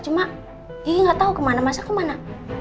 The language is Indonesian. cuma kiki gak tau kemana mas al kemana